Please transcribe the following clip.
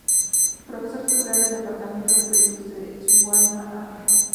Profesor titular del Departamento de Proyectos de su alma mater.